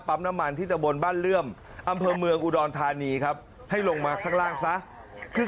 น้ำมันที่ตะบนบ้านเลื่อมอำเภอเมืองอุดรธานีครับให้ลงมาข้างล่างซะคือ